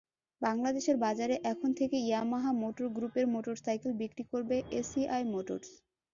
বাংলাদেশের বাজারে এখন থেকে ইয়ামাহা মোটর গ্রুপের মোটরসাইকেল বিক্রি করবে এসিআই মোটরস।